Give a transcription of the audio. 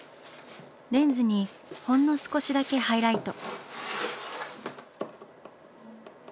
レンズにほんの少しだけハイライト。